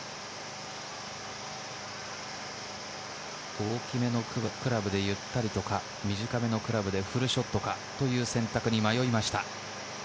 大きめのクラブでゆったりとか、短めのクラブでフルショットかという選択に迷いました。